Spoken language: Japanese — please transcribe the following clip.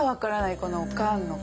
このおかんの勘。